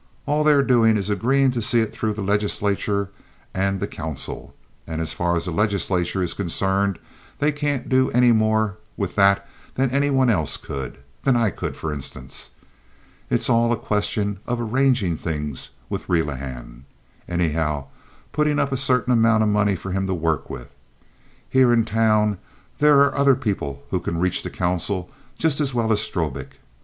All they're doing is agreeing to see it through the legislature and the council, and as far as the legislature is concerned, they can't do any more with that than any one else could—than I could, for instance. It's all a question of arranging things with Relihan, anyhow, putting up a certain amount of money for him to work with. Here in town there are other people who can reach the council just as well as Strobik."